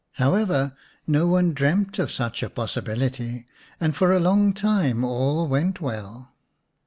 However, no one dreamt of such a possibility, and for a long time all went well.